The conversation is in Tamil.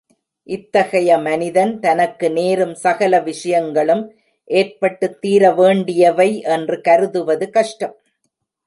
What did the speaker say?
இத்தகைய மனிதன் தனக்கு நேரும் சகல விஷயங்களும் ஏற்பட்டுத் தீரவேண்டியவை என்று கருதுவது கஷ்டம்.